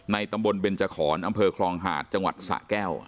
ตำบลเบนจขอนอำเภอคลองหาดจังหวัดสะแก้ว